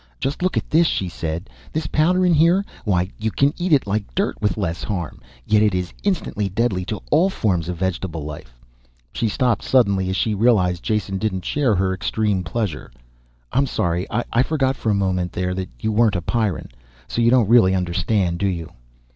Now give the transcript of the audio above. "Just look at this," she said. "This powder in here why you can eat it like dirt, with less harm. Yet it is instantly deadly to all forms of vegetable life ..." She stopped suddenly as she realized Jason didn't share her extreme pleasure. "I'm sorry. I forgot for a moment there that you weren't a Pyrran. So you don't really understand, do you?"